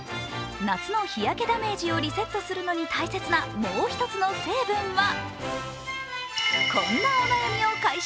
夏の日焼けダメージをリセットするのに大切なもう一つの成分はこんなお悩みを解消。